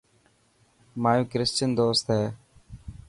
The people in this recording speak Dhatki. مايو ڪرسچن دوست هي.